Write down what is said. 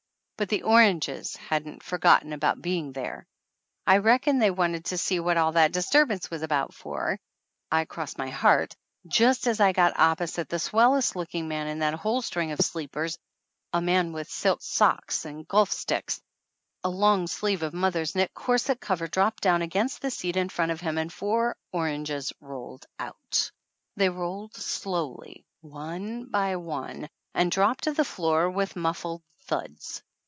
But the oranges hadn't forgotten about be ing there ! I reckon they wanted to see what all that disturbance was about for, I cross my heart, just as I got opposite the swellest look ing man in that whole string of sleepers, a man with silk socks and golf sticks, a long sleeve of mother's knit corset cover dropped down against the seat in front of him and four oranges rolled out ! They rolled slowly, one by one, and dropped to the floor with muffled thuds.